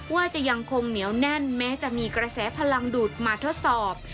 ว่าจะยังคงเหนียวแน่นแม้จะมีกระแสพลังดูดมาทดสอบ